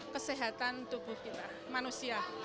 kesehatan tubuh kita manusia